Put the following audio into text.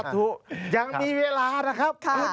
ถูกยังมีเวลานะครับ